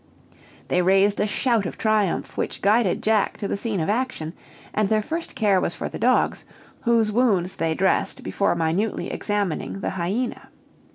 They raised a shout of triumph, which guided Jack to the scene of action; and their first care was for the dogs, whose wounds they dressed before minutely examining the hyena.